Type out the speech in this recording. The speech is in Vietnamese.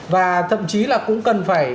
và thậm chí là cũng cần phải